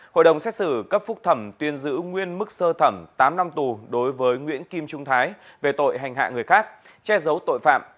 hội đồng xét xử cấp phúc thẩm tuyên giữ nguyên mức sơ thẩm tám năm tù đối với nguyễn kim trung thái về tội hành hạ người khác che giấu tội phạm